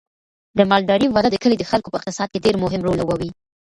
د مالدارۍ وده د کلي د خلکو په اقتصاد کې ډیر مهم رول لوبوي.